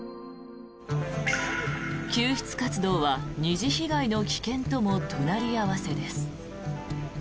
救出活動は二次被害の危険とも隣り合わせです。